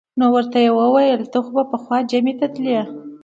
نو ورته یې وویل: ته خو به پخوا جمعې ته تللې.